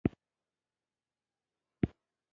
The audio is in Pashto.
خوشامنګر او غوړه مال نه وي.